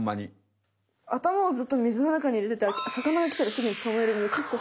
「頭をずっと水の中に入れてて魚がきたらすぐにつかまえる」。